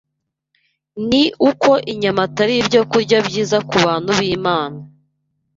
ni uko inyama atari ibyokurya byiza ku bantu b’Imana.